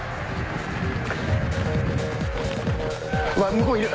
向こういる。